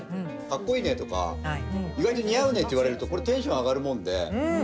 かっこいいねとか意外と似合うねって言われると、これ結構テンション上がるもんで。